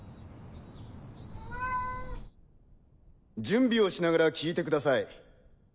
準備をしながら聞いてください。